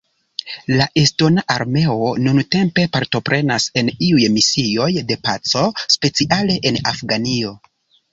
La Estona Armeo nuntempe partoprenas en iuj misioj de paco, speciale en Afganio.